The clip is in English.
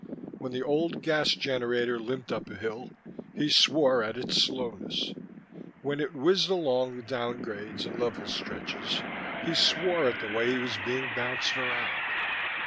When the old gas generator limped up a hill, he swore at its slowness; when it whizzed along the downgrades and level stretches, he swore at the way he was being bounced around.